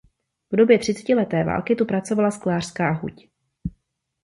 V době třicetileté války tu pracovala sklářská huť.